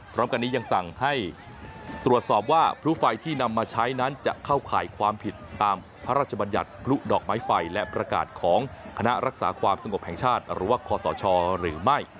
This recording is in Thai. พร้อมกันนี้ยังสั่งให้ตรวจสอบว่าพลุไฟที่นำมาใช้นั้นจะเข้าข่ายความผิดตามพระราชบัญญัติพลุดอกไม้ไฟและประกาศของคณะรักษาความสงบแห่งชาติหรือว่าคอสชหรือไม่